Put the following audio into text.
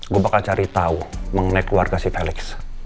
gue bakal cari tau mengenai keluarga si felix